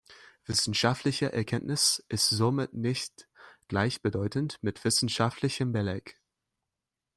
Wissenschaftliche Erkenntnis ist somit nicht gleichbedeutend mit wissenschaftlichem Beleg.